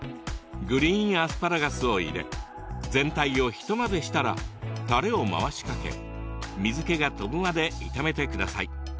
グリーンアスパラガスを入れ全体を一混ぜしたらたれを回しかけ水けが飛ぶまで炒めてください。